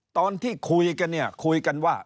ตอนที่คุยกันเนี่ยคุยกันว่า